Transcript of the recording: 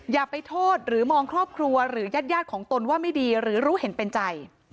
อย่าไปโทษหรือมองครอบครัวหรือญาติของตนว่าไม่ดีหรือรู้เห็นเป็นใจ